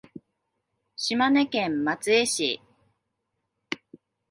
島根県松江市